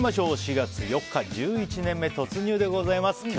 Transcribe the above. ４月４日１１年目突入でございます。